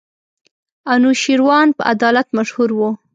انوشېروان په عدالت مشهور وو.